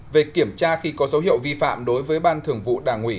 một về kiểm tra khi có dấu hiệu vi phạm đối với ban thường vụ đảng ủy